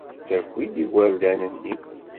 Saki-d igerdan-nni.